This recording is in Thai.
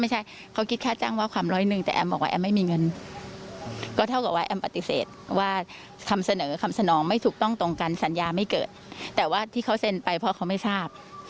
ไม่เกิดแล้วแต่ว่าที่เขาเซ็นไปเพราะเขาไม่ทราบ